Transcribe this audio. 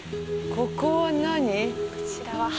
ここは何？